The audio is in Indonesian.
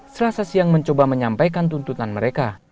selasa siang mencoba menyampaikan tuntutan mereka